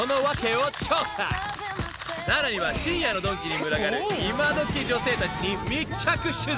［さらには深夜のドンキに群がる今どき女性たちに密着取材］